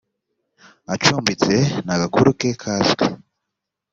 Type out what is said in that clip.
acumbitse nta gakuru ke kazwi